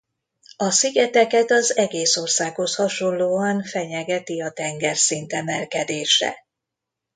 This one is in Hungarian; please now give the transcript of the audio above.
A szigeteket az egész országhoz hasonlóan fenyegeti a tengerszint emelkedése.